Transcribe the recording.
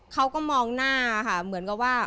เขาก็มองหน้าค่ะเหมือนกับว่า